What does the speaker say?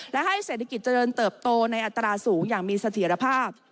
และให้เศรษฐกิจเจริญเติบโตในอัตราสูงอย่างมีเสถียรภาพ